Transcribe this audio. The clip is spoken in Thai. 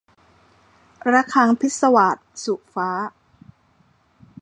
ระฆังพิศวาส - สุฟ้า